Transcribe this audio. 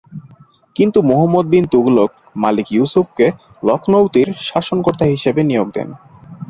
কিন্তু মুহম্মদ বিন তুগলক মালিক ইউসুফকে লখনৌতির শাসনকর্তা হিসেবে নিয়োগ দেন।